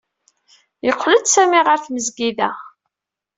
Yeqqel-d Sami ɣer tmesgida.